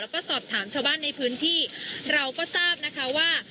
แล้วก็สอบถามชาวบ้านในพื้นที่เราก็ทราบนะคะว่า